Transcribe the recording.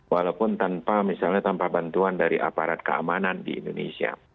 walaupun tanpa misalnya tanpa bantuan dari aparat keamanan di indonesia